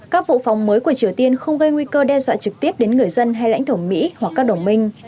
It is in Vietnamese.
các vụ phóng mới của triều tiên không gây nguy cơ đe dọa trực tiếp đến người dân hay lãnh thổ mỹ hoặc các đồng minh